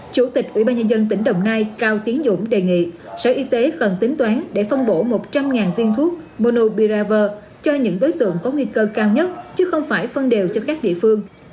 chủ tịch ubnd tỉnh đồng nai cao tiến dũng đề nghị sở y tế cần tính toán để phân bổ một trăm linh viên thuốc monobiraver cho những đối tượng có nguy cơ cao nhất chứ không phải phân đều cho các địa phương